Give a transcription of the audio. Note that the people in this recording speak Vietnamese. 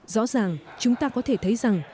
rõ ràng chúng ta có thể thấy rằng